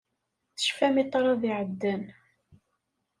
Tecfam i ṭṭrad iɛeddan.